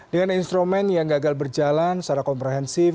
dengan instrumen yang gagal berjalan secara komprehensif